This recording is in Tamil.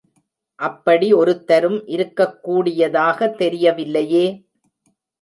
அப்படி ஒருத்தரும் இருக்கக்கூடியதாக தெரியலியே!